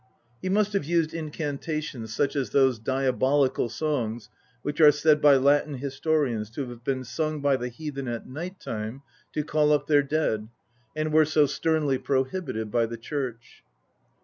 He must have used incan tations such as those " diabolical songs " which are said by Latin historians to have been sung by the heathen at night time to call up their dead, and were so sternly prohibited by the Church.